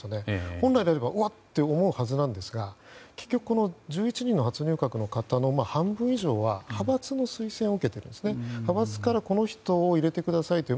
本来であればうわっと思うんですが結局１１人の初入閣の方の半分以上は派閥の推薦を受けて派閥からこの人を入れてくださいと。